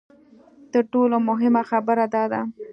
تر ټولو مهمه خبره دا ده.